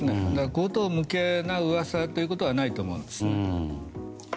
荒唐無稽な噂ということはないと思うんです。